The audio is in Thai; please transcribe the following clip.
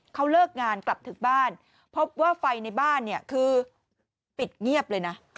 เขาเลิกงานกลับถึงบ้านพบว่าไฟในบ้านเนี่ยคือปิดเงียบเลยนะ